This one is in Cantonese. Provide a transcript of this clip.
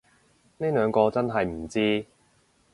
呢兩個真係唔知